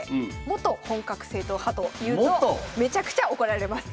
元本格正統派と言うとめちゃくちゃ怒られます。